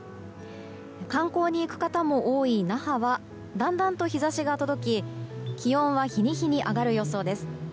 観光に行く方も多い那覇はだんだんと日差しが届き気温は日に日に上がる予想です。